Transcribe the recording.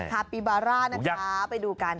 ฮาปิบาร่านะคะไปดูกัน